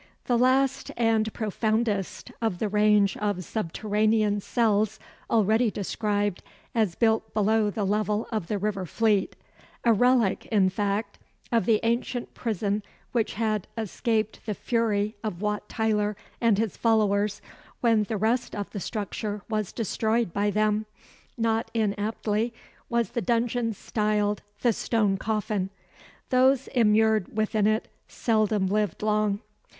the last and profoundest of the range of subterranean cells already described as built below the level of the river Fleet: a relict, in fact, of the ancient prison which had escaped the fury of Wat Tyler and his followers, when the rest of the structure was destroyed by them. Not inaptly was the dungeon styled the "Stone Coffin." Those immured within it seldom lived long.